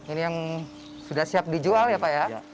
ini yang sudah siap dijual ya pak ya